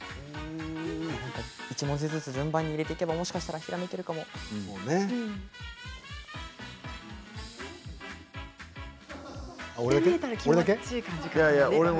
一文字ずつ順番に入れていけば、もしかしたらひらめけるかも。